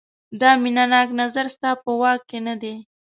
دا مینه ناک نظر ستا په واک کې نه دی.